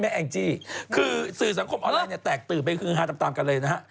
แองจี้คือสื่อสังคมออนไลน์เนี่ยแตกตื่นไปคือฮาตามตามกันเลยนะฮะ